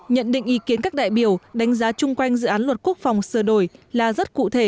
nhận định ý kiến các đại biểu đánh giá chung quanh dự án luật quốc phòng sửa đổi là rất cụ thể